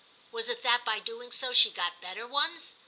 Was it that by so doing she got better ones?